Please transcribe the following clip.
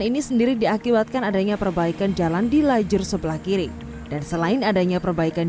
ini sendiri diakibatkan adanya perbaikan jalan di lajur sebelah kiri dan selain adanya perbaikan